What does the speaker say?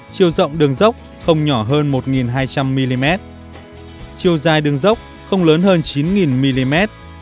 chiều rộng đường dốc không nhỏ hơn một hai trăm linh mm chiều dài đường dốc không lớn hơn chín mm